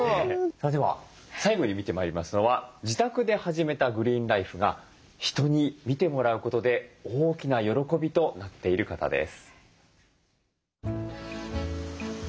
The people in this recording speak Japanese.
さあでは最後に見てまいりますのは自宅で始めたグリーンライフが人に見てもらうことで大きな喜びとなっている方です。